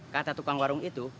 kata tukang warung itu